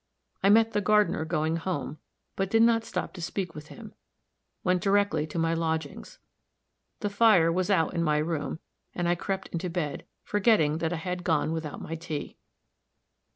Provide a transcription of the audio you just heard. I met the gardener going home, but did not stop to speak with him went directly to my lodgings. The fire was out in my room, and I crept into bed, forgetting that I had gone without my tea.